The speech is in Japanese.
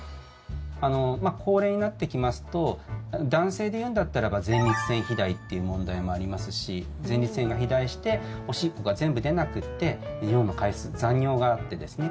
高齢になってきますと男性でいうんだったらば前立腺肥大っていう問題もありますし前立腺が肥大しておしっこが全部出なくって尿の回数、残尿があってですね